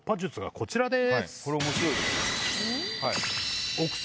こちらです。